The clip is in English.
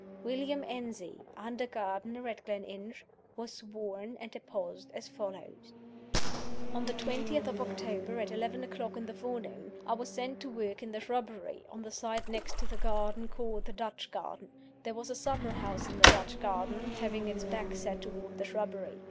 William Enzie, under gardener at Gleninch, was sworn, and deposed as follows: On the twentieth of October, at eleven o'clock in the forenoon, I was sent to work in the shrubbery, on the side next to the garden called the Dutch Garden. There was a summer house in the Dutch Garden, having its back set toward the shrubbery.